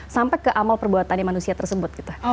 sampai ke amal perbuatannya manusia tersebut gitu